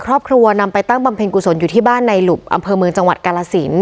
ครอบครัวนำไปตั้งบำเพ็ญกุศลอยู่ที่บ้านในหลุบอำเภอเมืองจังหวัดกาลสิน